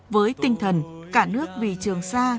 với tinh thần cả nước vì trường sa